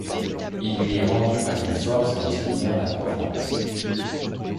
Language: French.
Il lui est rendu par une force dont il ignore la provenance.